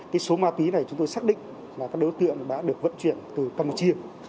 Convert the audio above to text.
cái số ma túy này chúng tôi xác định là các đối tượng đã được vận chuyển từ campuchia